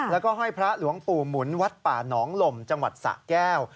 แล้วก็ห้อยพระหลวงปู่หมุนวัดป่าหนองลมจังหวัดสะแก้ว